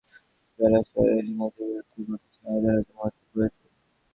পৃথিবীর সংখ্যাহীন দূষণগ্রস্ত জলাশয়ে এরই মধ্যে বিলুপ্তি ঘটেছে হাজার হাজার মৎস্য প্রজাতির।